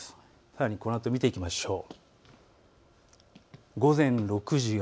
さらにこのあと見ていきましょう。